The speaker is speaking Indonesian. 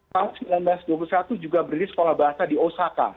tahun seribu sembilan ratus dua puluh satu juga berdiri sekolah bahasa di osaka